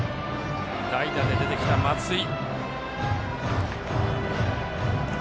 代打で出てきた松井。